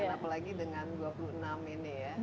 apalagi dengan dua puluh enam ini ya sdm nya